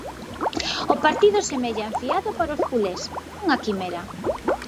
O partido semella enfiado para os culés, unha quimera.